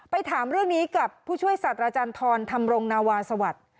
ถามเรื่องนี้กับผู้ช่วยสัตว์อาจารย์ทรธรรมรงนาวาสวัสดิ์